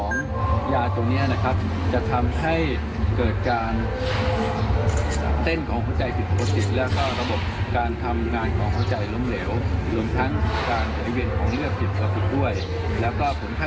นี่แหละค่ะ